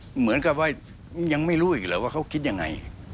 เหมือนกับว่ายังไม่รู้อีกเหรอว่าเขาคิดยังไง